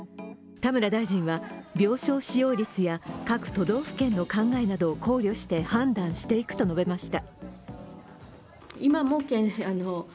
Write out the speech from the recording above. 田村大臣は病床使用率や各都道府県の考えなどを考慮して判断していくと述べました。